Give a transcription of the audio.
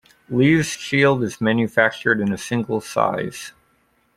Lea's Shield is manufactured in a single size.